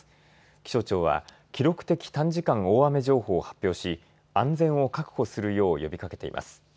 気象庁は記録的短時間大雨情報を発表し安全を確保するよう呼びかけています。